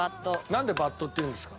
なんでバットっていうんですか？